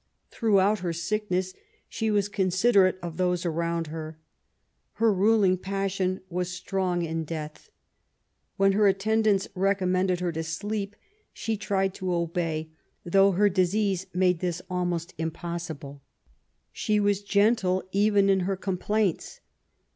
Throughout her sickness she was considerate of those around her. Her ruling passion was strong in death. When her attendants recommended her to sleep^ she tried to obey^ though her disease made this almost impossible. She was gentle even in her complaints.